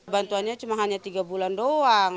bantuannya cuma hanya tiga bulan doang